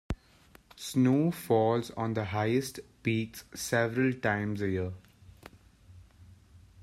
Snow falls on the highest peaks several times a year.